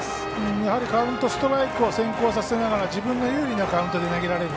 やはりカウントストライクを先行しながら自分の有利なカウントで投げられる。